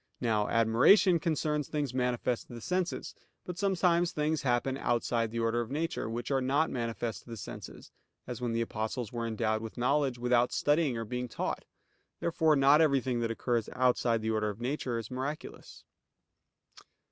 Now admiration concerns things manifest to the senses. But sometimes things happen outside the order of nature, which are not manifest to the senses; as when the Apostles were endowed with knowledge without studying or being taught. Therefore not everything that occurs outside the order of nature is miraculous.